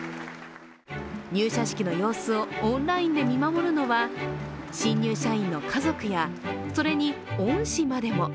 入社式の様子をオンラインで見守るのは新入社員の家族やそれに恩師までも。